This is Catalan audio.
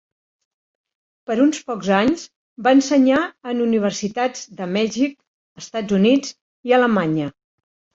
Per uns pocs anys, va ensenyar en universitats de Mèxic, Estats Units i Alemanya.